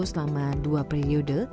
selama dua periode